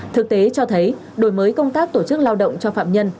thực tế cho thấy đổi mới công tác tổ chức lao động cho phạm nhân